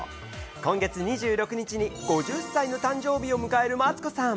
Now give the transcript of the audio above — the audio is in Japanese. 今月２６日に５０歳の誕生日を迎えるマツコさん。